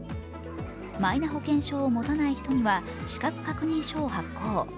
マイナ保険証を持たない人には資格確認書を発行。